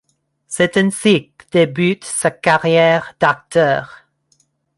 C’est ainsi que débute sa carrière d'acteur.